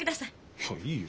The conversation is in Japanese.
いやいいよ。